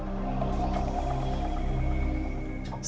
yaitu pada abad ke sebelas